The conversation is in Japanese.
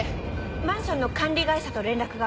マンションの管理会社と連絡が。